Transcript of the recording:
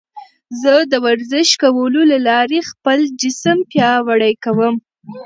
زه د ورزش کولو له لارې خپل جسم پیاوړی کوم.